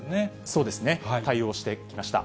そうですね、対応してきました。